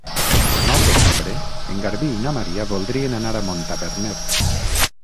El nou d'octubre en Garbí i na Maria voldrien anar a Montaverner.